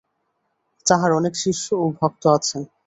তাঁহার অনেক শিষ্য ও ভক্ত আছেন।